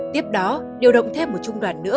tiếp đó điều động thêm một trung đoàn nữa